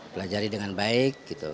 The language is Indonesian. pelajari dengan baik